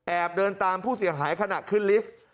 แอบเดินตามผู้เสี่ยงหายขนาดขึ้นลิฟท์